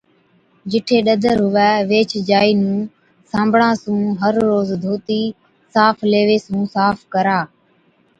جِٺي ڏَدر هُوَي ويهچ جائِي نُون صابڻا هر روز ڌوتِي صاف ليوي صاف ڪرا۔